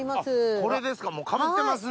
これですかもうかぶってますね。